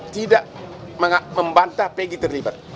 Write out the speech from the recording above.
tidak membantah pegi terlibat